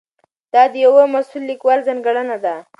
دا د یوه مسؤل لیکوال ځانګړنه ده.